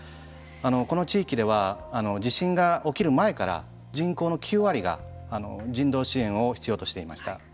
この地域では地震が起きる前から人口の９割が人道支援を必要としていました。